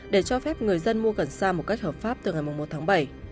để cho phép người dân mua cần sa một cách hợp pháp từ ngày một tháng bảy